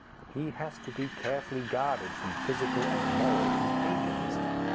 He has to be carefully guarded from physical and moral contagions.